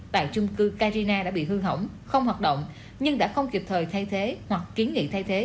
tại chung cư carina đã bị hư hỏng không hoạt động nhưng đã không kịp thời thay thế hoặc kiến nghị thay thế